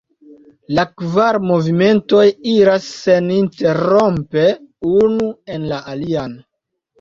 La kvar movimentoj iras seninterrompe unu en la alian.